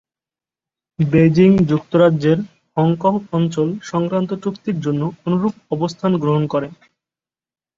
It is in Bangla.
বেইজিং যুক্তরাজ্যের হংকং অঞ্চল সংক্রান্ত চুক্তির জন্য অনুরূপ অবস্থান গ্রহণ করে।